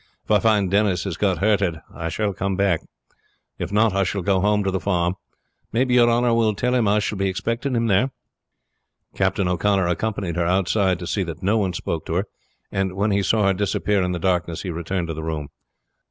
If I find Denis has got hurted I shall come back, if not I shall go home to the farm. Maybe your honor will tell him I shall be expecting him there." Captain O'Connor accompanied her outside to see that no one spoke to her, and when he saw her disappear in the darkness he returned to the room.